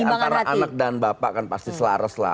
karena ini antara anak dan bapak kan pasti selaras lah